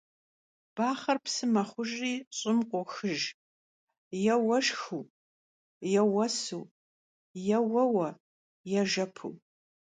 Baxher pşşe mexhujjri ş'ım khoxıjj yê vueşşxıu, yê vuesu, yê vueue, yê jjepu.